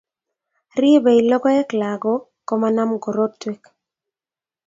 Ribei logoek lagok komanam korotwek